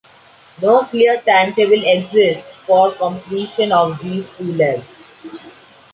No clear timetable exists for completion of these two legs.